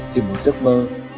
thì mùa giấc mơ đã khép lại